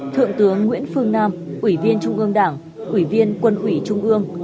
thượng tướng nguyễn phương nam ủy viên trung ương đảng ủy viên quân ủy trung ương